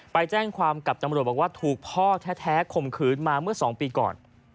ไปแจ้งความกับตำรวจบอกว่าถูกพ่อแท้ข่มขืนมาเมื่อ๒ปีก่อน